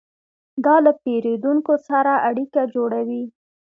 دا له پیرودونکو سره اړیکه جوړوي.